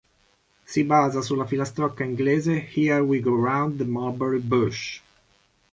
Si basa sulla filastrocca inglese "Here We Go Round the Mulberry Bush".